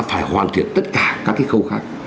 phải hoàn thiện tất cả các cái khâu khác